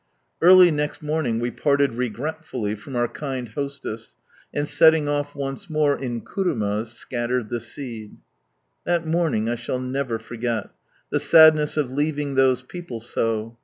Early next morning we parted regretfully from our kind hostess, and setting off once more in kurumas scattered the seed. That morning I shall never forget— Ihe sadness of leaving those people so.